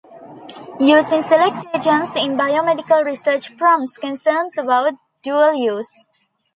Using select agents in biomedical research prompts concerns about dual use.